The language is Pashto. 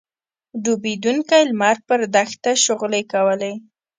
ډوبېدونکی لمر پر دښته شغلې کولې.